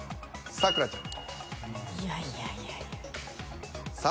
咲楽ちゃん。